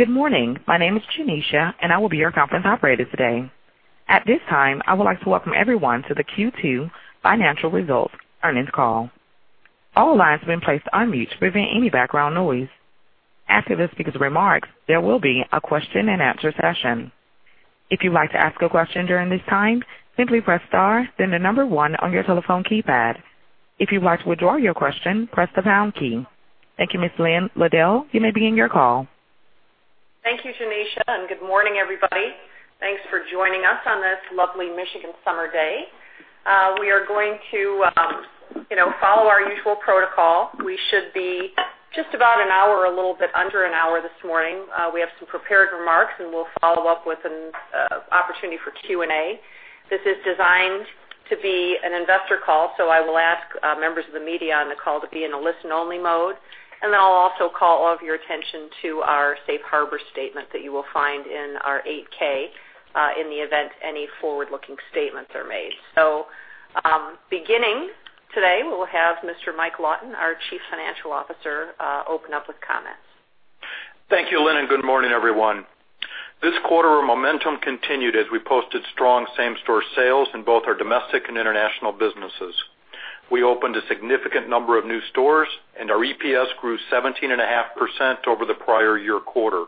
Good morning. My name is Tanisha, and I will be your conference operator today. At this time, I would like to welcome everyone to the Q2 Financial Results Earnings Call. All lines have been placed on mute to prevent any background noise. After the speaker's remarks, there will be a question-and-answer session. If you'd like to ask a question during this time, simply press star, then the number 1 on your telephone keypad. If you'd like to withdraw your question, press the pound key. Thank you, Ms. Lynn Liddle. You may begin your call. Thank you, Tanisha, and good morning, everybody. Thanks for joining us on this lovely Michigan summer day. We are going to follow our usual protocol. We should be just about an hour, a little bit under an hour this morning. We have some prepared remarks, and we'll follow up with an opportunity for Q&A. This is designed to be an investor call, so I will ask members of the media on the call to be in a listen-only mode. Then I'll also call all of your attention to our safe harbor statement that you will find in our 8-K in the event any forward-looking statements are made. So beginning today, we'll have Mr. Michael Lawton, our Chief Financial Officer, open up with comments. Thank you, Lynn, and good morning, everyone. This quarter, our momentum continued as we posted strong same-store sales in both our domestic and international businesses. Our EPS grew 17.5% over the prior year quarter.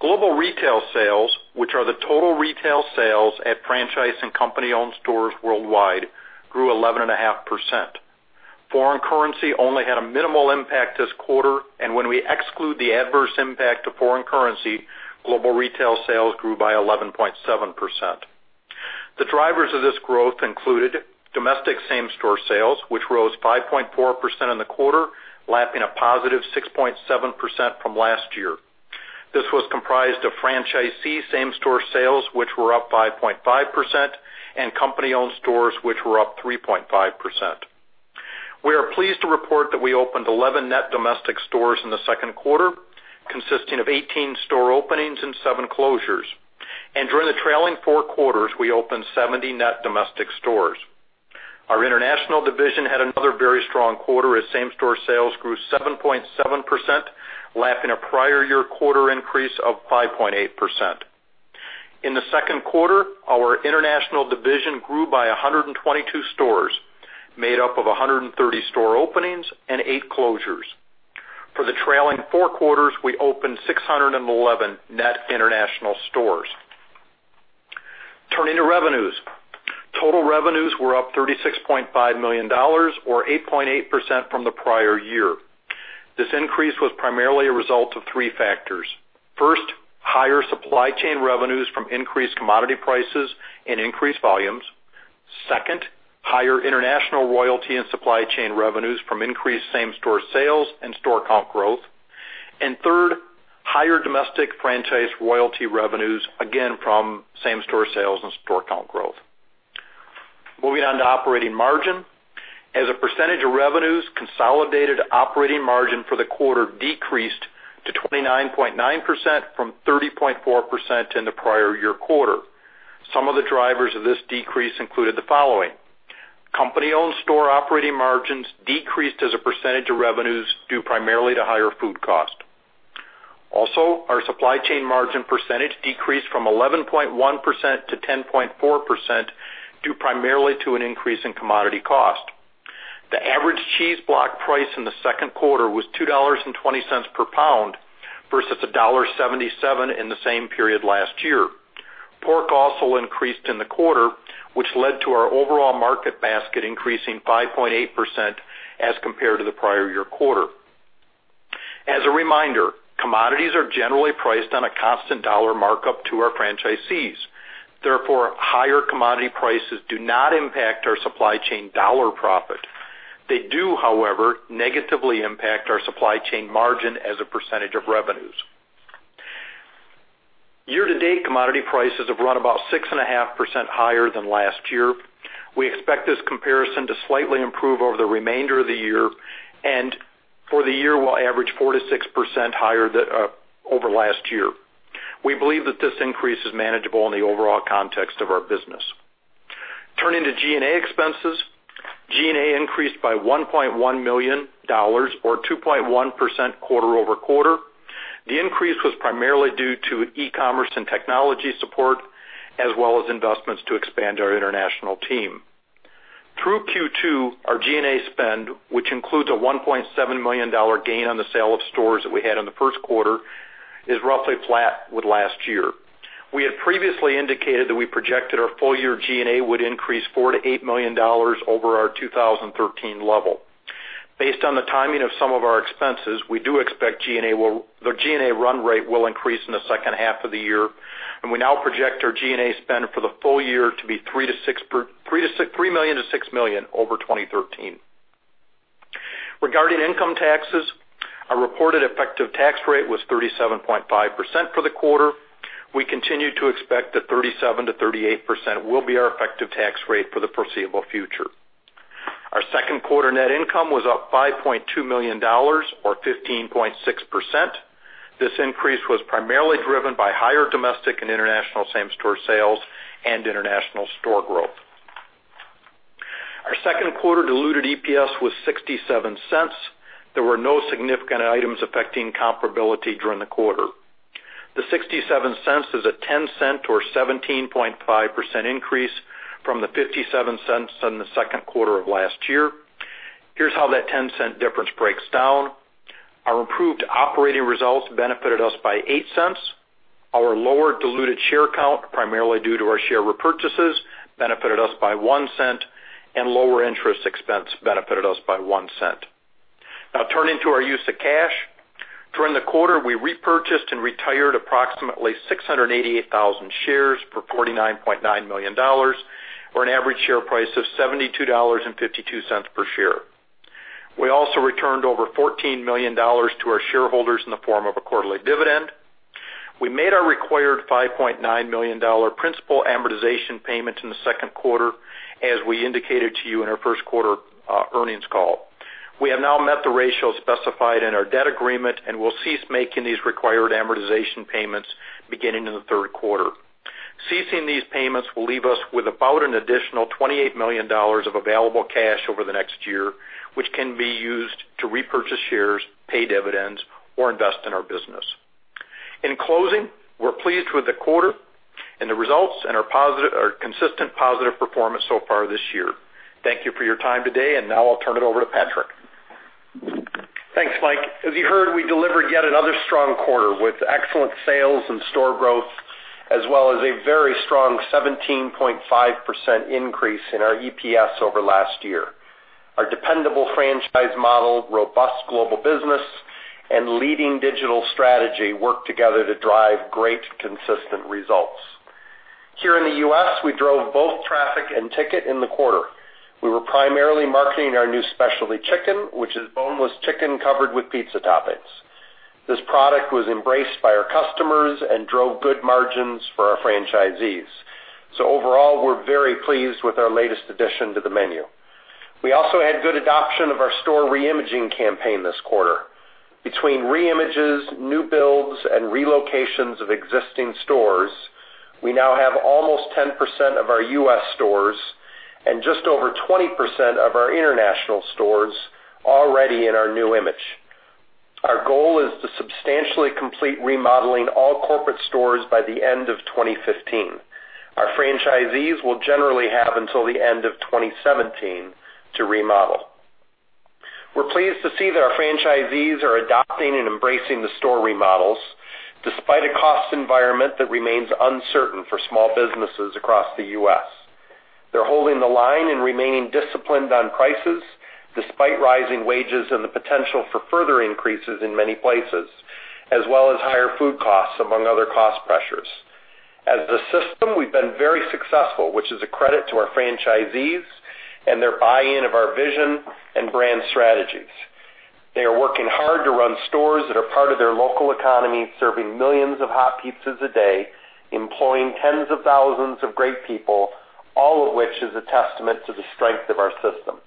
Global retail sales, which are the total retail sales at franchise and company-owned stores worldwide, grew 11.5%. Foreign currency only had a minimal impact this quarter, and when we exclude the adverse impact of foreign currency, global retail sales grew by 11.7%. The drivers of this growth included domestic same-store sales, which rose 5.4% in the quarter, lapping a positive 6.7% from last year. This was comprised of franchisee same-store sales, which were up 5.5%, and company-owned stores, which were up 3.5%. We are pleased to report that we opened 11 net domestic stores in the second quarter, consisting of 18 store openings and seven closures. During the trailing four quarters, we opened 70 net domestic stores. Our international division had another very strong quarter as same-store sales grew 7.7%, lapping a prior year quarter increase of 5.8%. In the second quarter, our international division grew by 122 stores, made up of 130 store openings and eight closures. For the trailing four quarters, we opened 611 net international stores. Turning to revenues. Total revenues were up $36.5 million, or 8.8% from the prior year. This increase was primarily a result of three factors. First, higher supply chain revenues from increased commodity prices and increased volumes. Second, higher international royalty and supply chain revenues from increased same-store sales and store count growth. Third, higher domestic franchise royalty revenues, again, from same-store sales and store count growth. Moving on to operating margin. As a percentage of revenues, consolidated operating margin for the quarter decreased to 29.9% from 30.4% in the prior year quarter. Some of the drivers of this decrease included the following. Company-owned store operating margins decreased as a percentage of revenues, due primarily to higher food cost. Also, our supply chain margin percentage decreased from 11.1% to 10.4%, due primarily to an increase in commodity cost. The average cheese block price in the second quarter was $2.20 per pound versus $1.77 in the same period last year. Pork also increased in the quarter, which led to our overall market basket increasing 5.8% as compared to the prior year quarter. As a reminder, commodities are generally priced on a constant dollar markup to our franchisees. Therefore, higher commodity prices do not impact our supply chain dollar profit. They do, however, negatively impact our supply chain margin as a percentage of revenues. Year-to-date commodity prices have run about 6.5% higher than last year. We expect this comparison to slightly improve over the remainder of the year, and for the year, we'll average 4% to 6% higher than over last year. We believe that this increase is manageable in the overall context of our business. Turning to G&A expenses. G&A increased by $1.1 million, or 2.1% quarter-over-quarter. The increase was primarily due to e-commerce and technology support, as well as investments to expand our international team. Through Q2, our G&A spend, which includes a $1.7 million gain on the sale of stores that we had in the first quarter, is roughly flat with last year. We had previously indicated that we projected our full year G&A would increase $4 million to $8 million over our 2013 level. Based on the timing of some of our expenses, we do expect the G&A run rate will increase in the second half of the year, and we now project our G&A spend for the full year to be $3 million to $6 million over 2013. Regarding income taxes, our reported effective tax rate was 37.5% for the quarter. We continue to expect that 37% to 38% will be our effective tax rate for the foreseeable future. Our second quarter net income was up $5.2 million or 15.6%. This increase was primarily driven by higher domestic and international same-store sales and international store growth. Our second quarter diluted EPS was $0.67. There were no significant items affecting comparability during the quarter. The $0.67 is a $0.10 or 17.5% increase from the $0.57 in the second quarter of last year. Here's how that $0.10 difference breaks down. Our improved operating results benefited us by $0.08. Our lower diluted share count, primarily due to our share repurchases, benefited us by $0.01, and lower interest expense benefited us by $0.01. Now turning to our use of cash. During the quarter, we repurchased and retired approximately 688,000 shares for $49.9 million, or an average share price of $72.52 per share. We also returned over $14 million to our shareholders in the form of a quarterly dividend. We made our required $5.9 million principal amortization payment in the second quarter, as we indicated to you in our first quarter earnings call. We have now met the ratio specified in our debt agreement and will cease making these required amortization payments beginning in the third quarter. Ceasing these payments will leave us with about an additional $28 million of available cash over the next year, which can be used to repurchase shares, pay dividends, or invest in our business. In closing, we're pleased with the quarter and the results and our consistent positive performance so far this year. Thank you for your time today. Now I'll turn it over to Patrick. Thanks, Mike. As you heard, we delivered yet another strong quarter with excellent sales and store growth, as well as a very strong 17.5% increase in our EPS over last year. Our dependable franchise model, robust global business, and leading digital strategy work together to drive great, consistent results. Here in the U.S., we drove both traffic and ticket in the quarter. We were primarily marketing our new Specialty Chicken, which is boneless chicken covered with pizza toppings. This product was embraced by our customers and drove good margins for our franchisees. Overall, we're very pleased with our latest addition to the menu. We also had good adoption of our store reimaging campaign this quarter. Between reimages, new builds, and relocations of existing stores, we now have almost 10% of our U.S. stores and just over 20% of our international stores already in our new image. Our goal is to substantially complete remodeling all corporate stores by the end of 2015. Our franchisees will generally have until the end of 2017 to remodel. We're pleased to see that our franchisees are adopting and embracing the store remodels, despite a cost environment that remains uncertain for small businesses across the U.S. They're holding the line and remaining disciplined on prices, despite rising wages and the potential for further increases in many places, as well as higher food costs, among other cost pressures. As the system, we've been very successful, which is a credit to our franchisees and their buy-in of our vision and brand strategies. They are working hard to run stores that are part of their local economy, serving millions of hot pizzas a day, employing tens of thousands of great people, all of which is a testament to the strength of our system.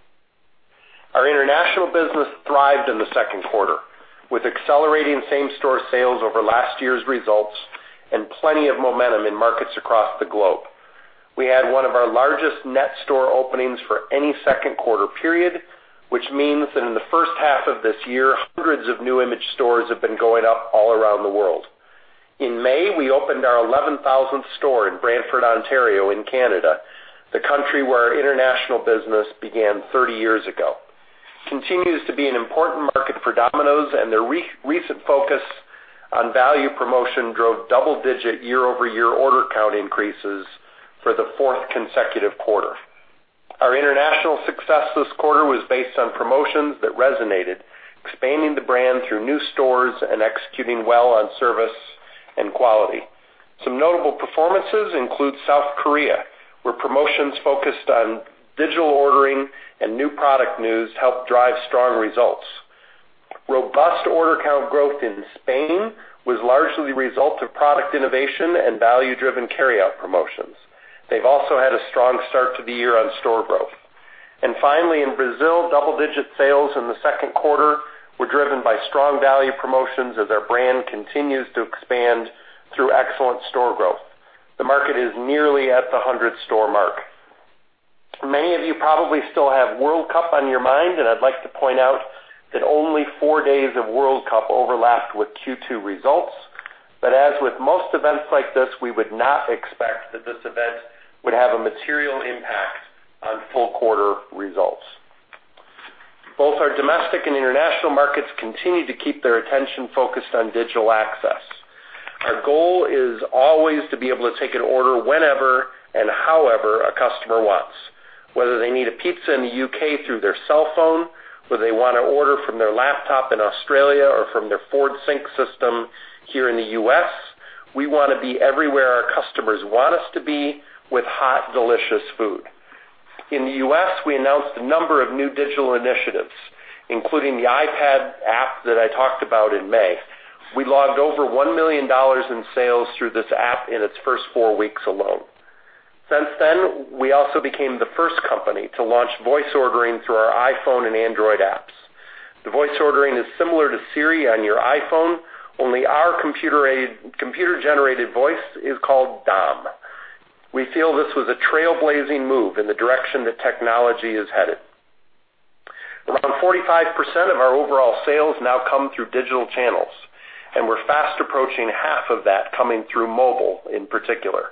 Our international business thrived in the second quarter, with accelerating same-store sales over last year's results and plenty of momentum in markets across the globe. We had one of our largest net store openings for any second quarter period, which means that in the first half of this year, hundreds of new image stores have been going up all around the world. In May, we opened our 11,000th store in Brantford, Ontario in Canada, the country where our international business began 30 years ago. Their recent focus on value promotion drove double-digit year-over-year order count increases for the fourth consecutive quarter. Our international success this quarter was based on promotions that resonated, expanding the brand through new stores and executing well on service and quality. Finally, in Brazil, double-digit sales in the second quarter were driven by strong value promotions as their brand continues to expand through excellent store growth. The market is nearly at the 100-store mark. Many of you probably still have World Cup on your mind, and I'd like to point out that only four days of World Cup overlapped with Q2 results. As with most events like this, we would not expect that this event would have a material impact on full quarter results. Both our domestic and international markets continue to keep their attention focused on digital access. Our goal is always to be able to take an order whenever and however a customer wants. Whether they need a pizza in the U.K. through their cellphone, or they want to order from their laptop in Australia or from their Ford Sync system here in the U.S., we want to be everywhere our customers want us to be with hot, delicious food. In the U.S., we announced a number of new digital initiatives, including the iPad app that I talked about in May. We logged over $1 million in sales through this app in its first four weeks alone. Since then, we also became the first company to launch voice ordering through our iPhone and Android apps. The voice ordering is similar to Siri on your iPhone, only our computer-generated voice is called Dom. We feel this was a trailblazing move in the direction that technology is headed. Around 45% of our overall sales now come through digital channels, and we're fast approaching half of that coming through mobile in particular.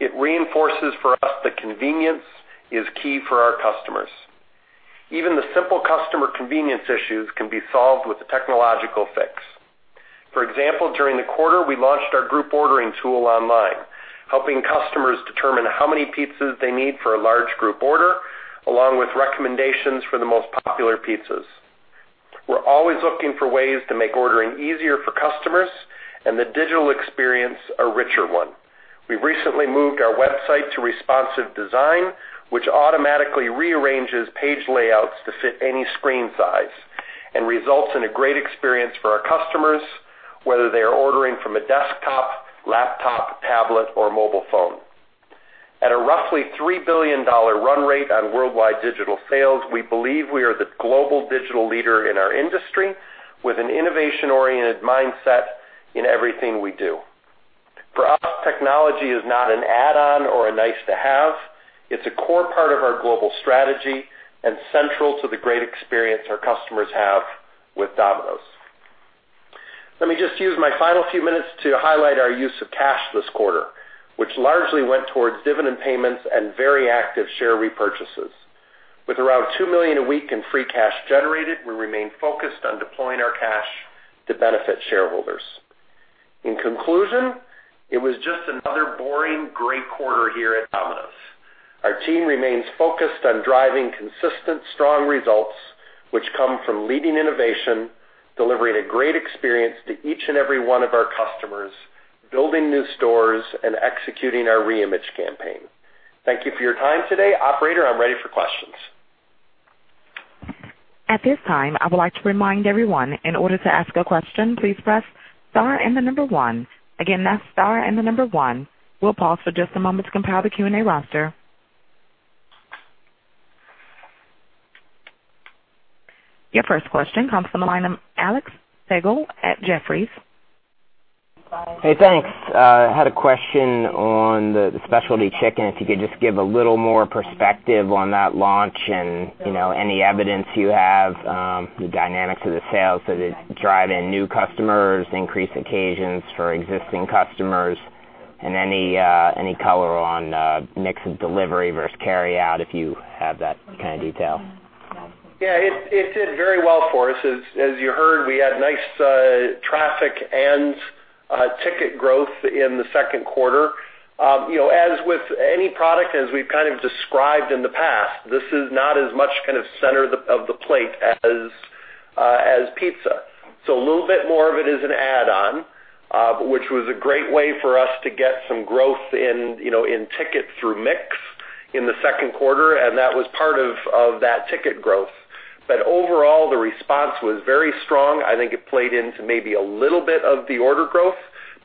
It reinforces for us that convenience is key for our customers. Even the simple customer convenience issues can be solved with a technological fix. For example, during the quarter, we launched our group ordering tool online, helping customers determine how many pizzas they need for a large group order, along with recommendations for the most popular pizzas. We're always looking for ways to make ordering easier for customers and the digital experience a richer one. We've recently moved our website to responsive design, which automatically rearranges page layouts to fit any screen size and results in a great experience for our customers, whether they are ordering from a desktop, laptop, tablet, or mobile phone. At a roughly $3 billion run rate on worldwide digital sales, we believe we are the global digital leader in our industry, with an innovation-oriented mindset in everything we do. For us, technology is not an add-on or a nice-to-have. It's a core part of our global strategy and central to the great experience our customers have with Domino's. Let me just use my final few minutes to highlight our use of cash this quarter, which largely went towards dividend payments and very active share repurchases. With around $2 million a week in free cash generated, we remain focused on deploying our cash to benefit shareholders. In conclusion, it was just another boring, great quarter here at Domino's. Our team remains focused on driving consistent, strong results, which come from leading innovation, delivering a great experience to each and every one of our customers, building new stores, and executing our reimage campaign. Thank you for your time today. Operator, I'm ready for questions. At this time, I would like to remind everyone, in order to ask a question, please press star and the number 1. Again, that's star and the number 1. We'll pause for just a moment to compile the Q&A roster. Your first question comes from the line of Alex Slagle at Jefferies. Hey, thanks. I had a question on the Specialty Chicken, if you could just give a little more perspective on that launch and any evidence you have, the dynamics of the sales. Did it drive in new customers, increase occasions for existing customers? Any color on mix of delivery versus carry-out, if you have that kind of detail. Yeah. It did very well for us. As you heard, we had nice traffic and ticket growth in the second quarter. As with any product, as we've kind of described in the past, this is not as much kind of center of the plate as pizza. A little bit more of it is an add-on, which was a great way for us to get some growth in ticket through mix in the second quarter, and that was part of that ticket growth. Overall, the response was very strong. I think it played into maybe a little bit of the order growth,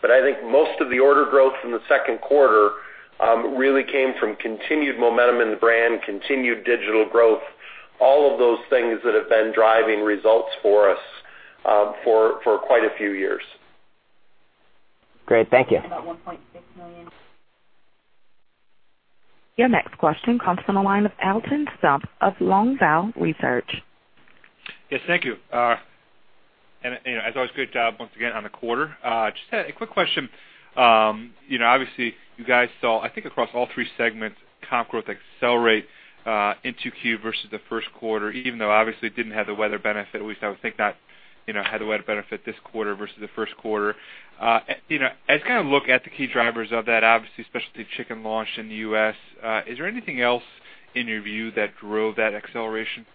I think most of the order growth in the second quarter really came from continued momentum in the brand, continued digital growth, all of those things that have been driving results for us for quite a few years. Great. Thank you. About $1.6 million. Your next question comes from the line of Alton Stump of Longbow Research. Yes, thank you. As always, great job once again on the quarter. Just had a quick question. Obviously, you guys saw, I think, across all three segments, comp growth accelerate into Q versus the first quarter, even though obviously it didn't have the weather benefit. At least, I would think not, had the weather benefit this quarter versus the first quarter. As you kind of look at the key drivers of that, obviously, Specialty Chicken launched in the U.S. Is there anything else in your view that drove that acceleration?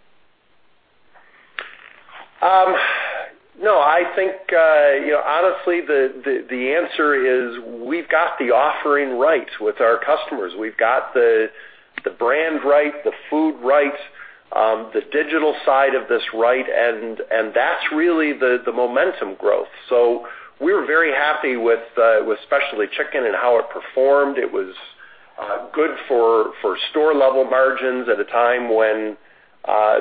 No. I think honestly, the answer is we've got the offering right with our customers. We've got the brand right, the food right, the digital side of this right, and that's really the momentum growth. We're very happy with Specialty Chicken and how it performed. It was good for store-level margins at a time when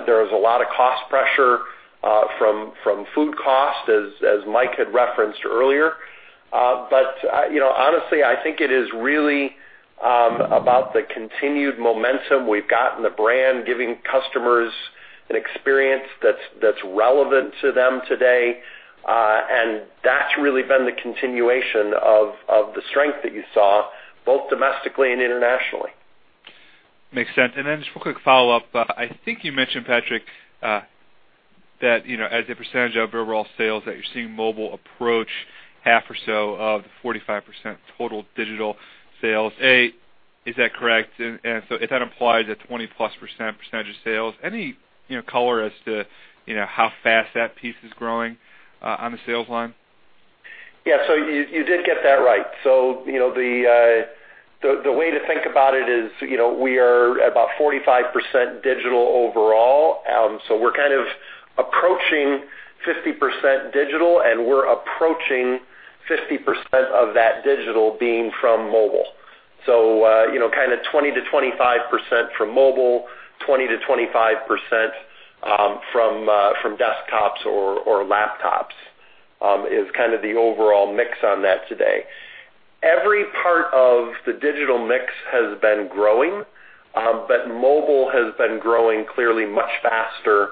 there was a lot of cost pressure from food cost, as Mike had referenced earlier. Honestly, I think it is really about the continued momentum we've got in the brand, giving customers an experience that's relevant to them today. That's really been the continuation of the strength that you saw, both domestically and internationally. Makes sense. Just one quick follow-up. I think you mentioned, Patrick, that as a percentage of overall sales, that you're seeing mobile approach half or so of the 45% total digital sales. A, is that correct? If that applies at 20-plus percent percentage of sales, any color as to how fast that piece is growing on the sales line? Yeah. You did get that right. The way to think about it is we are about 45% digital overall. We're kind of approaching 50% digital, and we're approaching 50% of that digital being from mobile. Kind of 20%-25% from mobile, 20%-25% from desktops or laptops is kind of the overall mix on that today. Every part of the digital mix has been growing, mobile has been growing clearly much faster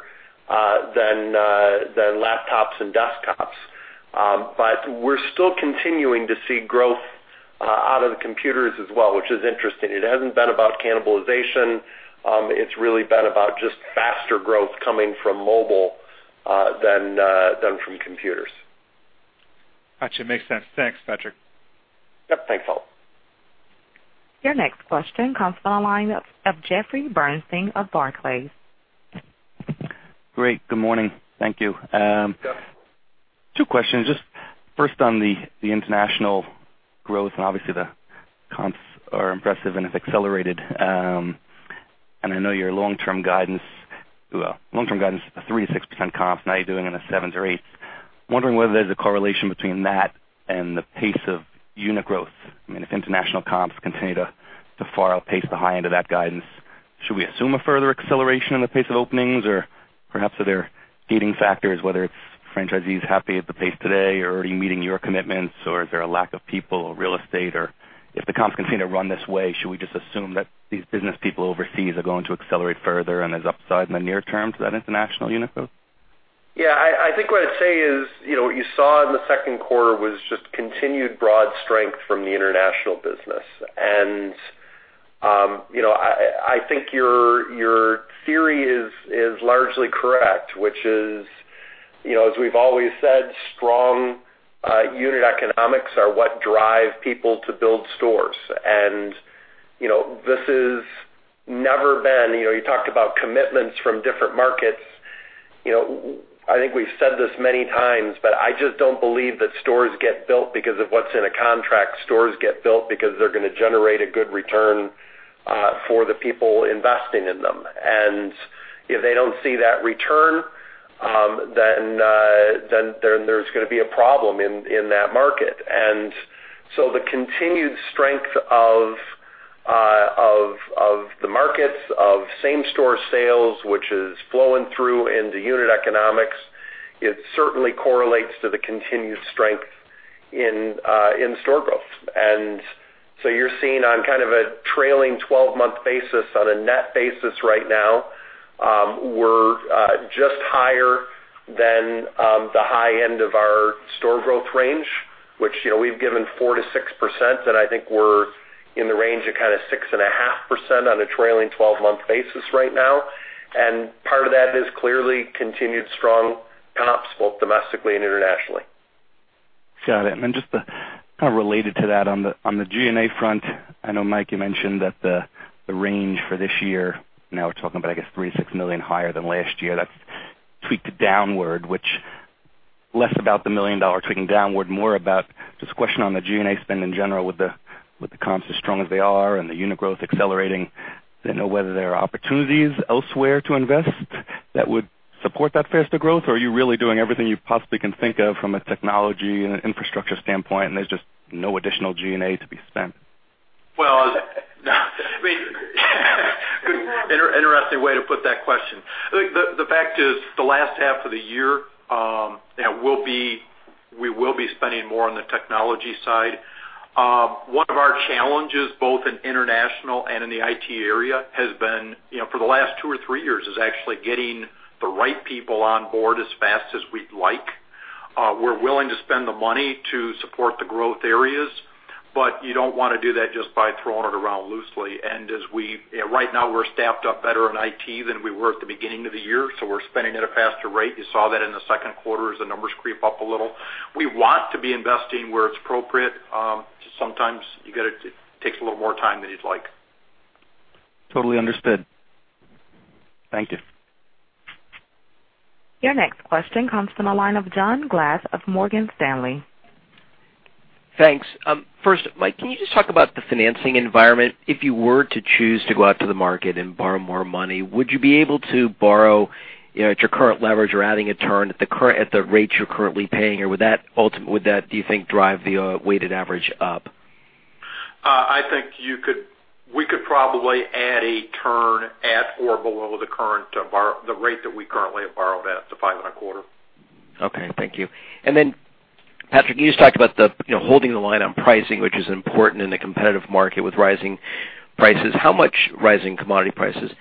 than laptops and desktops. We're still continuing to see growth out of the computers as well, which is interesting. It hasn't been about cannibalization. It's really been about just faster growth coming from mobile, than from computers. Got you. Makes sense. Thanks, Patrick. Yep. Thanks, Al. Your next question comes from the line of Jeffrey Bernstein of Barclays. Great. Good morning. Thank you. Yeah. Two questions. Just first on the international growth. Obviously the comps are impressive and have accelerated. I know your long-term guidance, a 3%-6% comp, now you're doing in a 7% or 8%. I'm wondering whether there's a correlation between that and the pace of unit growth. I mean, if international comps continue to far outpace the high end of that guidance, should we assume a further acceleration in the pace of openings or perhaps are there gating factors, whether it's franchisees happy at the pace today or are you meeting your commitments or is there a lack of people or real estate or if the comps continue to run this way, should we just assume that these business people overseas are going to accelerate further. There's upside in the near term to that international unit growth? Yeah, I think what I'd say is, what you saw in the second quarter was just continued broad strength from the international business. I think your theory is largely correct, which is, as we've always said, strong unit economics are what drive people to build stores. You talked about commitments from different markets. I think we've said this many times, but I just don't believe that stores get built because of what's in a contract. Stores get built because they're going to generate a good return for the people investing in them. If they don't see that return, then there's going to be a problem in that market. The continued strength of the markets, of same-store sales, which is flowing through into unit economics, it certainly correlates to the continued strength in store growth. You're seeing on kind of a trailing 12-month basis, on a net basis right now, we're just higher than the high end of our store growth range, which we've given 4%-6%, I think we're in the range of 6.5% on a trailing 12-month basis right now. Part of that is clearly continued strong comps, both domestically and internationally. Got it. Just kind of related to that, on the G&A front, I know, Mike, you mentioned that the range for this year, now we're talking about, I guess, $36 million higher than last year. That's tweaked downward, which less about the million dollar tweaking downward, more about just a question on the G&A spend in general with the comps as strong as they are and the unit growth accelerating, didn't know whether there are opportunities elsewhere to invest that would support that faster growth? Are you really doing everything you possibly can think of from a technology and an infrastructure standpoint, and there's just no additional G&A to be spent? Well, interesting way to put that question. The fact is, the last half of the year, we will be spending more on the technology side. One of our challenges, both in international and in the IT area, has been, for the last two or three years, is actually getting the right people on board as fast as we'd like. We're willing to spend the money to support the growth areas, but you don't want to do that just by throwing it around loosely. Right now we're staffed up better in IT than we were at the beginning of the year, so we're spending at a faster rate. You saw that in the second quarter as the numbers creep up a little. We want to be investing where it's appropriate. Just sometimes it takes a little more time than you'd like. Totally understood. Thank you. Your next question comes from the line of John Glass of Morgan Stanley. Thanks. First, Mike Lawton, can you just talk about the financing environment? If you were to choose to go out to the market and borrow more money, would you be able to borrow at your current leverage or adding a turn at the rates you're currently paying? Would that, do you think, drive the weighted average up? I think we could probably add a turn at or below the rate that we currently have borrowed at, the five and a quarter. Okay, thank you. Then Patrick, you just talked about holding the line on pricing, which is important in a competitive market with rising prices. How much rising commodity prices?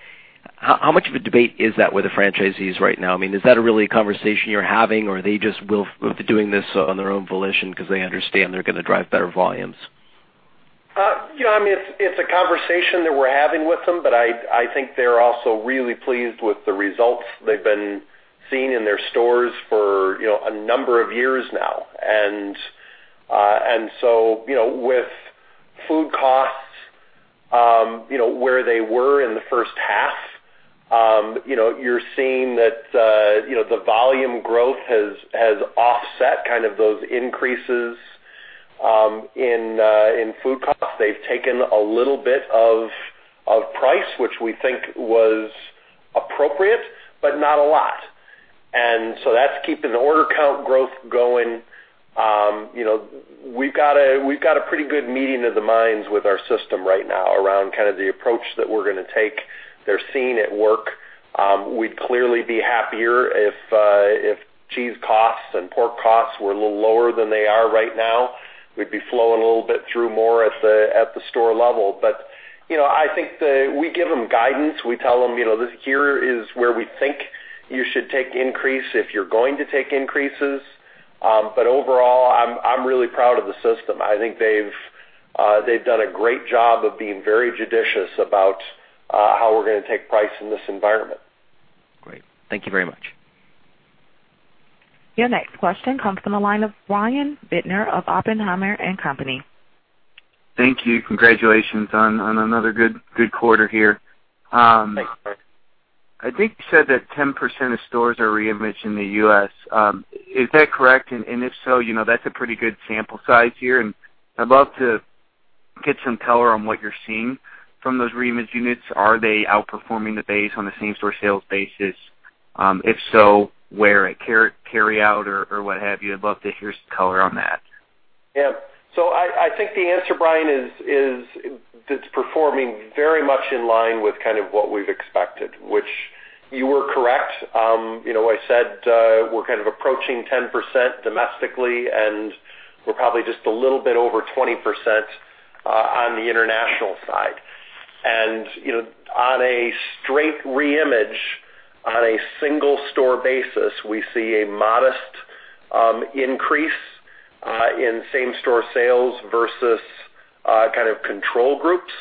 How much of a debate is that with the franchisees right now? I mean, is that a really conversation you're having or they just will be doing this on their own volition because they understand they're going to drive better volumes? Yeah, it's a conversation that we're having with them, but I think they're also really pleased with the results they've been seeing in their stores for a number of years now. With food costs where they were in the first half, you're seeing that the volume growth has offset kind of those increases in food costs. They've taken a little bit of price, which we think was appropriate, but not a lot. That's keeping the order count growth going. We've got a pretty good meeting of the minds with our system right now around the approach that we're going to take. They're seeing it work. We'd clearly be happier if cheese costs and pork costs were a little lower than they are right now. We'd be flowing a little bit through more at the store level. I think that we give them guidance. We tell them, "Here is where we think you should take increase if you're going to take increases." Overall, I'm really proud of the system. I think they've done a great job of being very judicious about how we're going to take price in this environment. Great. Thank you very much. Your next question comes from the line of Brian Bittner of Oppenheimer and Company. Thank you. Congratulations on another good quarter here. Thanks, Brian. I think you said that 10% of stores are reimaged in the U.S. Is that correct? If so, that's a pretty good sample size here, and I'd love to get some color on what you're seeing from those reimaged units. Are they outperforming the base on a same-store sales basis? If so, where, at carry-out or what have you? I'd love to hear some color on that. Yeah. I think the answer, Brian, is it's performing very much in line with what we've expected, which you were correct. I said we're approaching 10% domestically, we're probably just a little bit over 20% on the international side. On a straight reimage on a single-store basis, we see a modest increase in same-store sales versus control groups.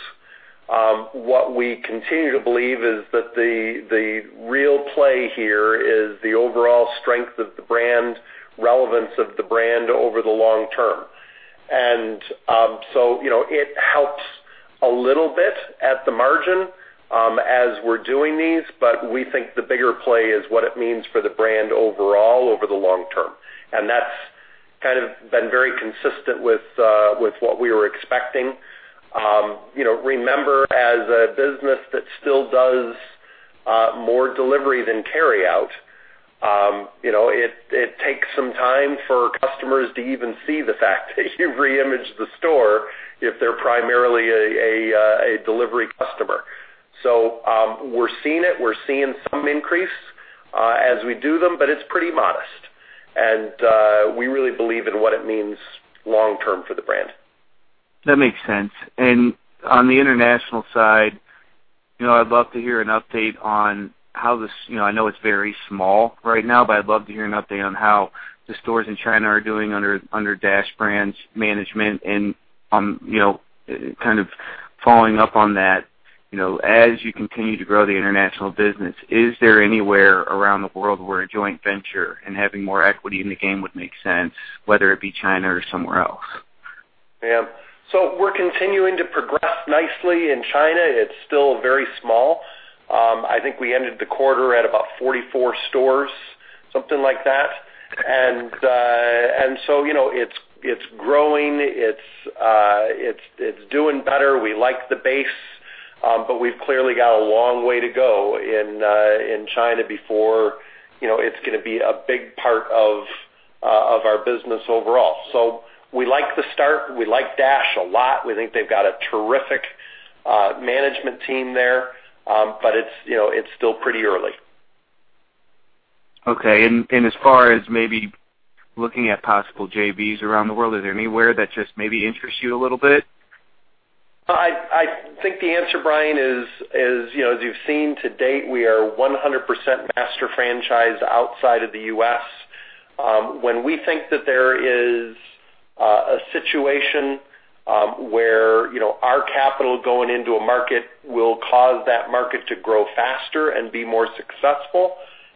What we continue to believe is that the real play here is the overall strength of the brand, relevance of the brand over the long term. So it helps a little bit at the margin as we're doing these, we think the bigger play is what it means for the brand overall over the long term. That's been very consistent with what we were expecting. Remember, as a business that still does more delivery than carry-out, it takes some time for customers to even see the fact that you reimage the store if they're primarily a delivery customer. We're seeing it. We're seeing some increase as we do them, but it's pretty modest. We really believe in what it means long term for the brand. That makes sense. On the international side, I'd love to hear an update on how this. I know it's very small right now, but I'd love to hear an update on how the stores in China are doing under Dash Brands's management, following up on that, as you continue to grow the international business, is there anywhere around the world where a joint venture and having more equity in the game would make sense, whether it be China or somewhere else? Yeah. We're continuing to progress nicely in China. It's still very small. I think we ended the quarter at about 44 stores, something like that. It's growing. It's doing better. We like the base, but we've clearly got a long way to go in China before it's going to be a big part of our business overall. We like the start. We like Dash a lot. We think they've got a terrific management team there. It's still pretty early. As far as maybe looking at possible JVs around the world, is there anywhere that just maybe interests you a little bit? I think the answer, Brian Bittner, is as you've seen to date, we are 100% master franchise outside of the U.S. When we think that there is a situation where our capital going into a market will cause that market to grow faster and be more successful,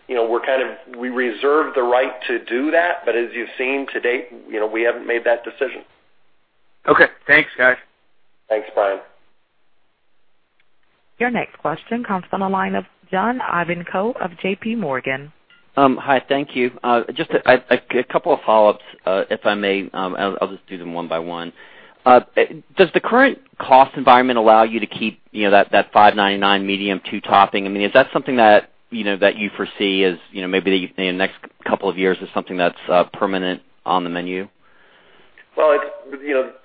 we reserve the right to do that. As you've seen to date, we haven't made that decision. Okay, thanks, guys. Thanks, Brian Bittner. Your next question comes from the line of John Ivankoe of J.P. Morgan. Hi, thank you. Just a couple of follow-ups if I may. I'll just do them one by one. Does the current cost environment allow you to keep that $5.99 medium two-topping? I mean, is that something that you foresee as maybe in the next couple of years as something that's permanent on the menu? Well,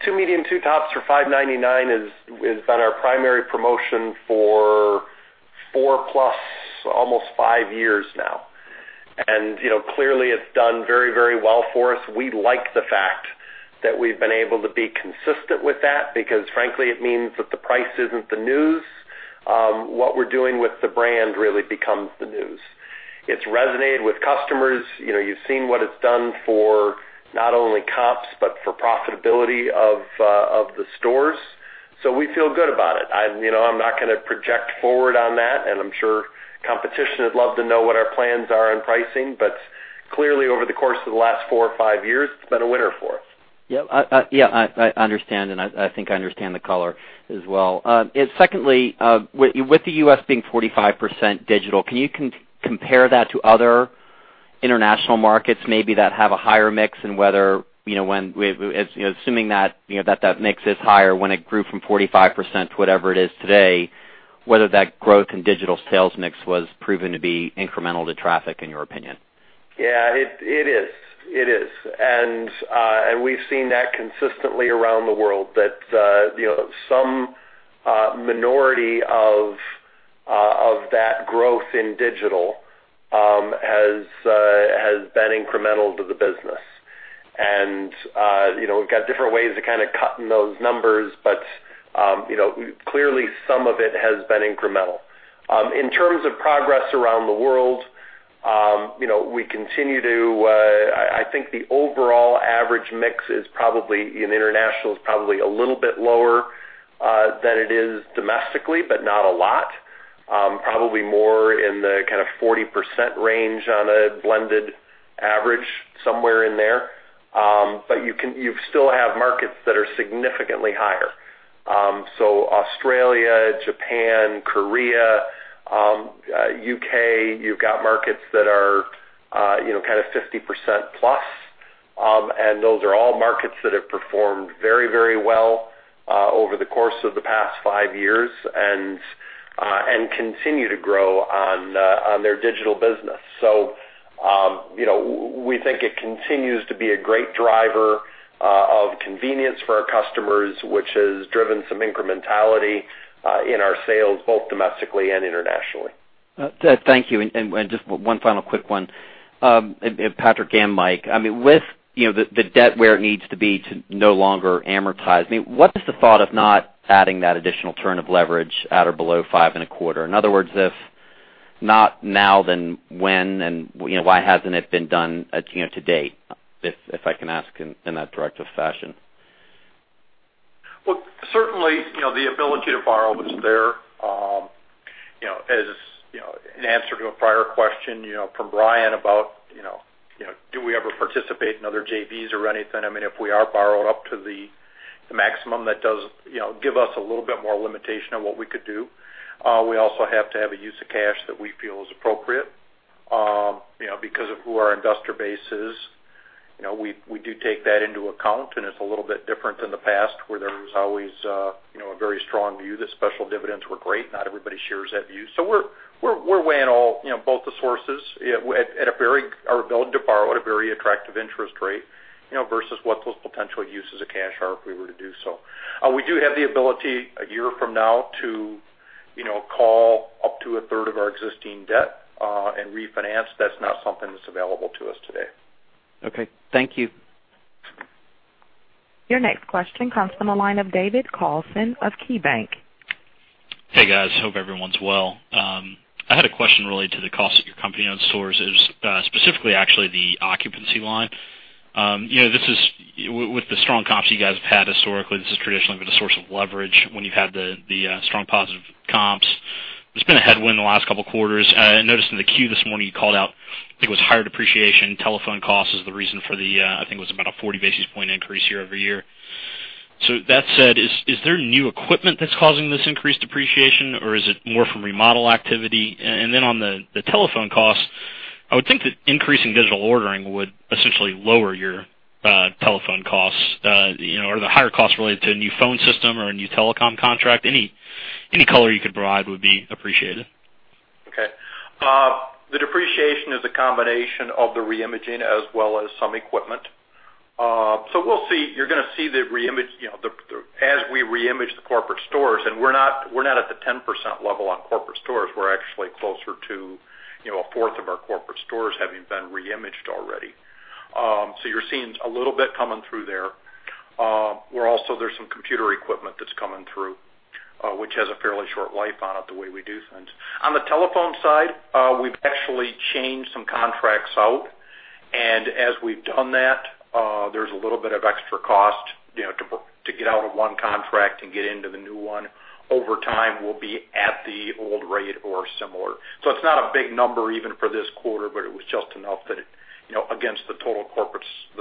two medium, two tops for $5.99 has been our primary promotion for four plus, almost five years now. Clearly, it's done very well for us. We like the fact that we've been able to be consistent with that because frankly, it means that the price isn't the news. What we're doing with the brand really becomes the news. It's resonated with customers. You've seen what it's done for not only comps, but for profitability of the stores. We feel good about it. I'm not going to project forward on that, and I'm sure competition would love to know what our plans are on pricing, but clearly over the course of the last four or five years, it's been a winner for us. Yeah. I understand, and I think I understand the color as well. Secondly, with the U.S. being 45% digital, can you compare that to other International markets maybe that have a higher mix, and assuming that mix is higher when it grew from 45% to whatever it is today, whether that growth in digital sales mix was proven to be incremental to traffic, in your opinion? We've seen that consistently around the world that some minority of that growth in digital has been incremental to the business. We've got different ways to kind of cut those numbers. Clearly some of it has been incremental. In terms of progress around the world, I think the overall average mix in international is probably a little bit lower than it is domestically, but not a lot. Probably more in the 40% range on a blended average, somewhere in there. You still have markets that are significantly higher. Australia, Japan, Korea, U.K., you've got markets that are kind of 50% plus. Those are all markets that have performed very well over the course of the past five years and continue to grow on their digital business. We think it continues to be a great driver of convenience for our customers, which has driven some incrementality in our sales, both domestically and internationally. Thank you. Just one final quick one, Patrick and Mike. With the debt where it needs to be to no longer amortize, what is the thought of not adding that additional turn of leverage at or below five and a quarter? In other words, if not now, then when, and why hasn't it been done to date? If I can ask in that directive fashion. Well, certainly, the ability to borrow is there. As an answer to a prior question from Brian about do we ever participate in other JVs or anything, if we are borrowed up to the maximum, that does give us a little bit more limitation on what we could do. We also have to have a use of cash that we feel is appropriate because of who our investor base is. We do take that into account, it's a little bit different than the past, where there was always a very strong view that special dividends were great. Not everybody shares that view. We're weighing both the sources, our ability to borrow at a very attractive interest rate versus what those potential uses of cash are if we were to do so. We do have the ability a year from now to call up to a third of our existing debt and refinance. That is not something that is available to us today. Okay. Thank you. Your next question comes from the line of David Carlson of KeyBanc. Hey, guys. Hope everyone is well. I had a question related to the cost of your company-owned stores, specifically, actually, the occupancy line. With the strong comps you guys have had historically, this has traditionally been a source of leverage when you have had the strong positive comps. There has been a headwind the last couple of quarters. I noticed in the Q this morning, you called out, I think it was higher depreciation, telephone costs is the reason for the, I think it was about a 40 basis point increase year-over-year. That said, is there new equipment that is causing this increased depreciation, or is it more from remodel activity? On the telephone cost, I would think that increasing digital ordering would essentially lower your telephone costs, or the higher cost related to a new phone system or a new telecom contract. Any color you could provide would be appreciated. Okay. The depreciation is a combination of the re-imaging as well as some equipment. You're going to see as we re-image the corporate stores, and we're not at the 10% level on corporate stores. We're actually closer to a fourth of our corporate stores having been re-imaged already. You're seeing a little bit coming through there, where also there's some computer equipment that's coming through, which has a fairly short life on it the way we do things. On the telephone side, we've actually changed some contracts out, and as we've done that, there's a little bit of extra cost to get out of one contract and get into the new one. Over time, we'll be at the old rate or similar. It's not a big number even for this quarter, but it was just enough that against the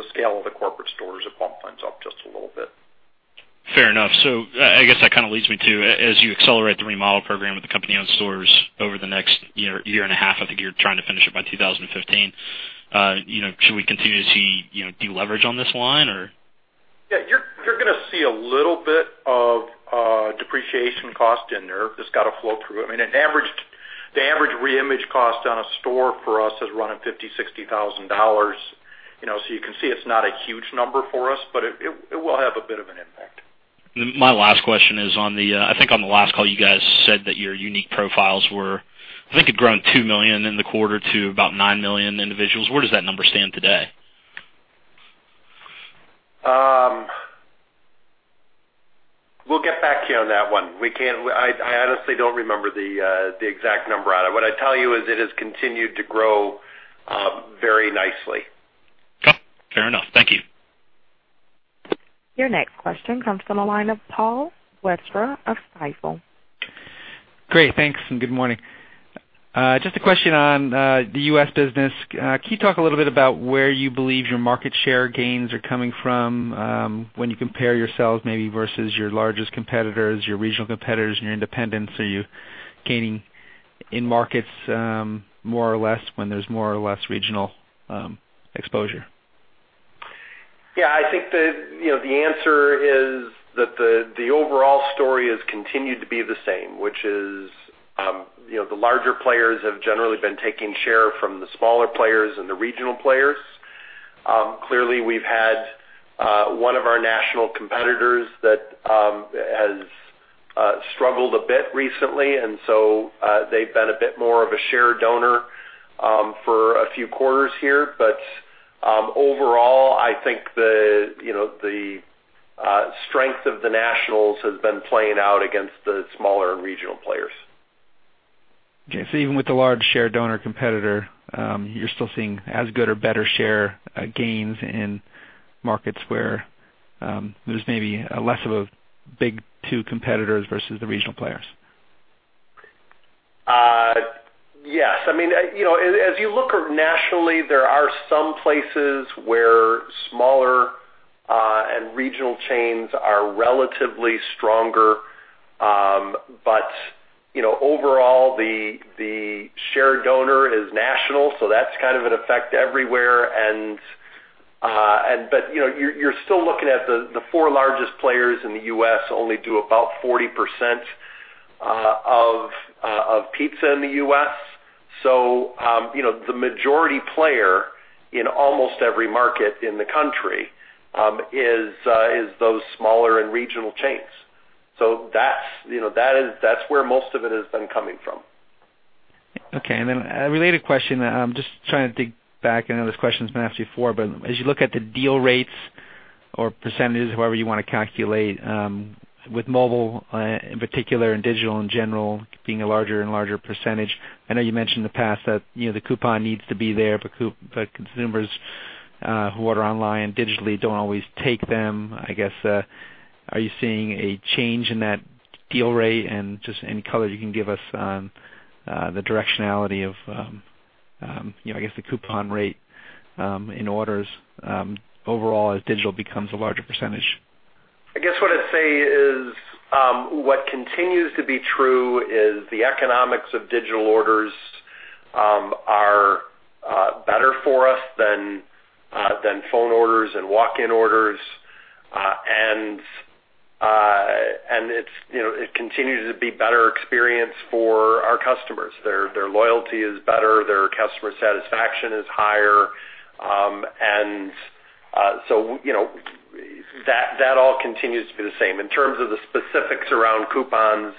scale of the corporate stores, it bumped things up just a little bit. Fair enough. I guess that kind of leads me to, as you accelerate the remodel program with the company-owned stores over the next year and a half, I think you're trying to finish it by 2015, should we continue to see deleverage on this line? Yeah, you're going to see a little bit of depreciation cost in there that's got to flow through. The average re-image cost on a store for us is running $50,000, $60,000. You can see it's not a huge number for us, it will have a bit of an impact. My last question is, I think on the last call, you guys said that your unique profiles were, I think it had grown 2 million in the quarter to about 9 million individuals. Where does that number stand today? We'll get back to you on that one. I honestly don't remember the exact number on it. What I'd tell you is it has continued to grow very nicely. Fair enough. Thank you. Your next question comes from the line of Paul Westra of Stifel. Great. Thanks. Good morning. Just a question on the U.S. business. Can you talk a little bit about where you believe your market share gains are coming from when you compare yourselves maybe versus your largest competitors, your regional competitors, and your independents? Are you gaining in markets more or less when there's more or less regional exposure? Yeah, I think the answer is that the overall story has continued to be the same, which is the larger players have generally been taking share from the smaller players and the regional players. Clearly, we've had one of our national competitors that has struggled a bit recently, and so they've been a bit more of a share donor for a few quarters here. Overall, I think the strength of the nationals has been playing out against the smaller regional players. Okay. Even with the large share donor competitor, you're still seeing as good or better share gains in markets where there's maybe less of a big two competitors versus the regional players. Yes. As you look nationally, there are some places where smaller and regional chains are relatively stronger. Overall, the share donor is national, so that's kind of an effect everywhere. You're still looking at the four largest players in the U.S. only do about 40% of pizza in the U.S. The majority player in almost every market in the country is those smaller and regional chains. That's where most of it has been coming from. Okay. Then a related question. I'm just trying to dig back. I know this question's been asked you before, as you look at the deal rates or %, however you want to calculate, with mobile in particular, and digital in general, being a larger and larger %, I know you mentioned in the past that the coupon needs to be there, consumers who order online digitally don't always take them. I guess, are you seeing a change in that deal rate and just any color you can give us on the directionality of, I guess, the coupon rate in orders overall as digital becomes a larger %? I guess what I'd say is, what continues to be true is the economics of digital orders are better for us than phone orders and walk-in orders. It continues to be better experience for our customers. Their loyalty is better, their customer satisfaction is higher. That all continues to be the same. In terms of the specifics around coupons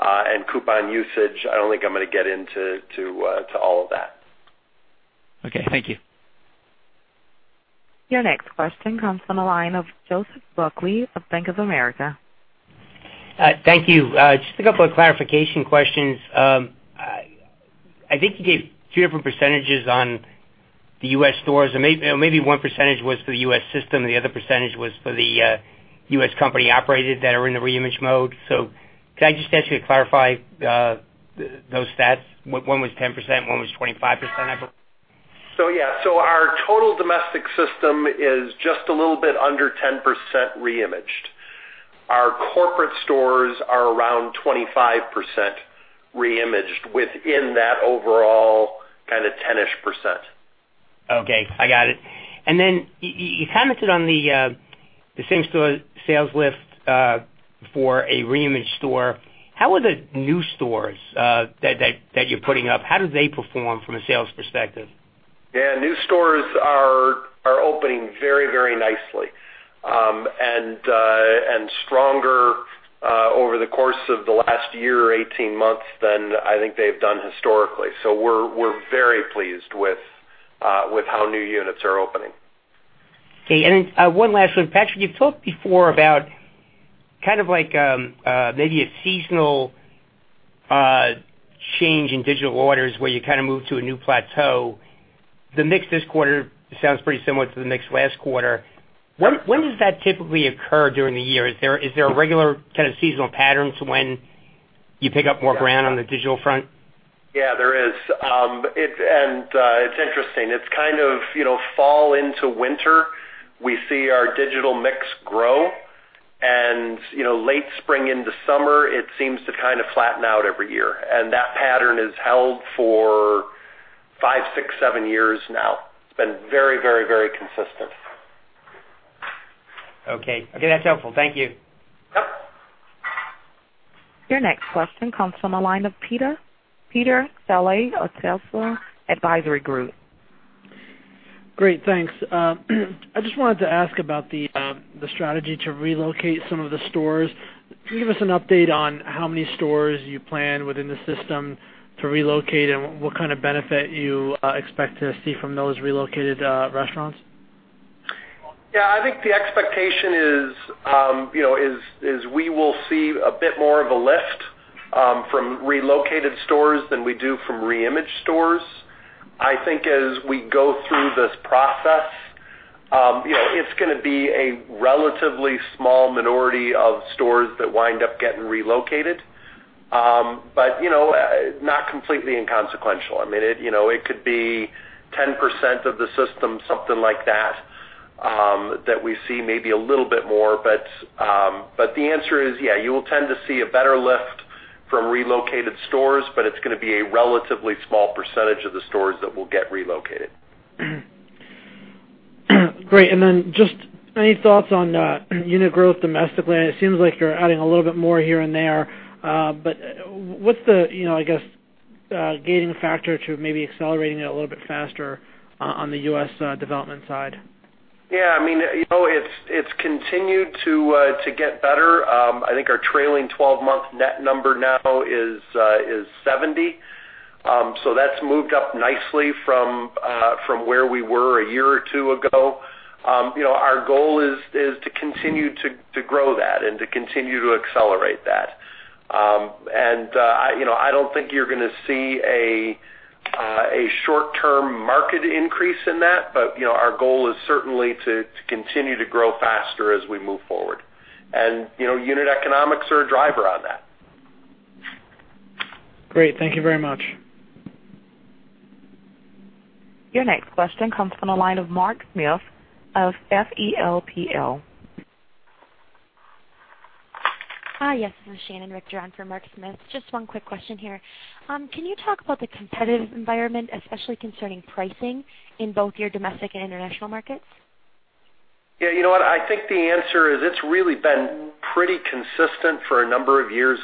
and coupon usage, I don't think I'm going to get into all of that. Okay. Thank you. Your next question comes from the line of Joseph Buckley of Bank of America. Thank you. Just a couple of clarification questions. I think you gave two different percentages on the U.S. stores. Maybe one percentage was for the U.S. system, and the other percentage was for the U.S. company operated that are in the reimage mode. Could I just ask you to clarify those stats? One was 10%, one was 25%, I believe. Yeah. Our total domestic system is just a little bit under 10% re imaged. Our corporate stores are around 25% re imaged within that overall kind of 10-ish percent. Okay, I got it. You commented on the same-store sales lift for a reimage store. How are the new stores that you're putting up? How do they perform from a sales perspective? New stores are opening very nicely, stronger over the course of the last year or 18 months than I think they've done historically. We're very pleased with how new units are opening. Okay. One last one, Patrick. You've talked before about kind of like maybe a seasonal change in digital orders where you kind of move to a new plateau. The mix this quarter sounds pretty similar to the mix last quarter. When does that typically occur during the year? Is there a regular kind of seasonal pattern to when you pick up more ground on the digital front? There is. It's interesting. It's kind of fall into winter, we see our digital mix grow, late spring into summer, it seems to kind of flatten out every year. That pattern has held for five, six, seven years now. It's been very consistent. Okay. That's helpful. Thank you. Yep. Your next question comes from the line of Peter Saleh of Telsey Advisory Group. Great, thanks. I just wanted to ask about the strategy to relocate some of the stores. Can you give us an update on how many stores you plan within the system to relocate, and what kind of benefit you expect to see from those relocated restaurants? Yeah, I think the expectation is we will see a bit more of a lift from relocated stores than we do from re-imaged stores. I think as we go through this process, it's going to be a relatively small minority of stores that wind up getting relocated. Not completely inconsequential. It could be 10% of the system, something like that we see maybe a little bit more. The answer is, yeah, you will tend to see a better lift from relocated stores, but it's going to be a relatively small percentage of the stores that will get relocated. Great. Just any thoughts on unit growth domestically? It seems like you're adding a little bit more here and there. What's the, I guess, gaining factor to maybe accelerating it a little bit faster on the U.S. development side? Yeah, it's continued to get better. I think our trailing 12-month net number now is 70. That's moved up nicely from where we were a year or two ago. Our goal is to continue to grow that and to continue to accelerate that. I don't think you're going to see a short-term market increase in that. Our goal is certainly to continue to grow faster as we move forward. unit economics are a driver on that. Great. Thank you very much. Your next question comes from the line of Mark Smith of Feltl. Hi, yes, this is Shannon Richter on for Mark Smith. Just one quick question here. Can you talk about the competitive environment, especially concerning pricing in both your domestic and international markets? Yeah, you know what? I think the answer is it's really been pretty consistent for a number of years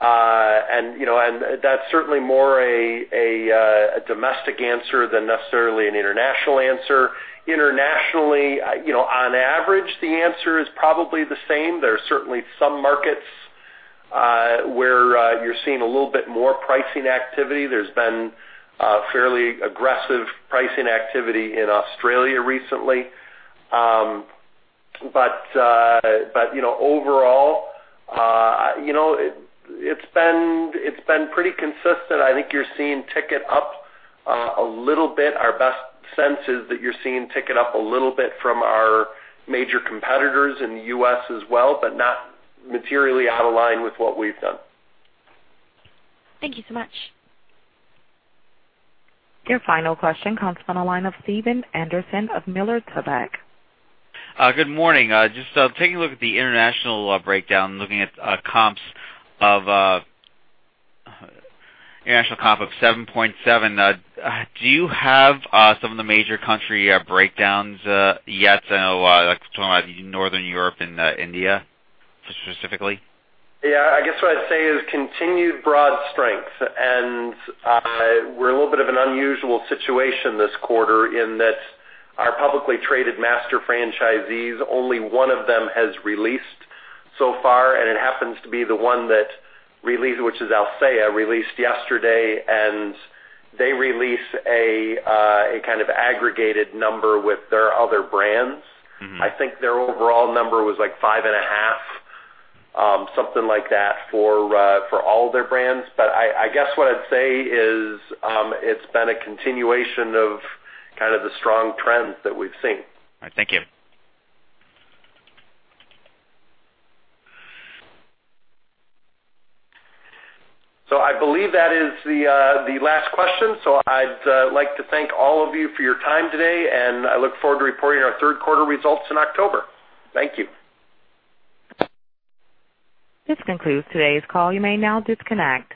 now, and that's certainly more a domestic answer than necessarily an international answer. Internationally, on average, the answer is probably the same. There are certainly some markets where you're seeing a little bit more pricing activity. There's been fairly aggressive pricing activity in Australia recently. Overall, it's been pretty consistent. I think you're seeing ticket up a little bit. Our best sense is that you're seeing ticket up a little bit from our major competitors in the U.S. as well, but not materially out of line with what we've done. Thank you so much. Your final question comes from the line of Stephen Anderson of Miller Tabak. Good morning. Just taking a look at the international breakdown, looking at international comp of 7.7. Do you have some of the major country breakdowns yet? I know, like talking about Northern Europe and India specifically. Yeah, I guess what I'd say is continued broad strength. We're a little bit of an unusual situation this quarter in that our publicly traded master franchisees, only one of them has released so far, and it happens to be the one that released, which is Alsea, released yesterday, and they release a kind of aggregated number with their other brands. I think their overall number was like five and a half, something like that for all of their brands. I guess what I'd say is it's been a continuation of kind of the strong trends that we've seen. All right. Thank you. I believe that is the last question. I'd like to thank all of you for your time today, and I look forward to reporting our third quarter results in October. Thank you. This concludes today's call. You may now disconnect.